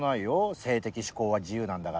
性的嗜好は自由なんだから。